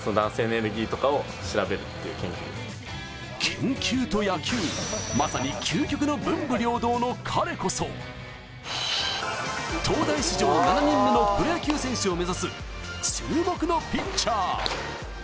研究と野球、まさに究極の文武両道の彼こそ東大史上７人目のプロ野球選手を目指す注目のピッチャー。